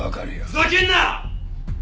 ふざけんな！